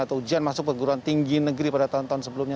atau ujian masuk keguruan tinggi negeri pada tahun tahun sebelumnya